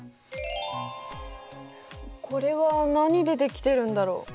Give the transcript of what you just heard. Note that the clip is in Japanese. これは何でできてるんだろう？